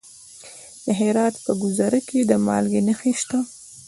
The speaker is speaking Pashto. د هرات په ګذره کې د مالګې نښې شته.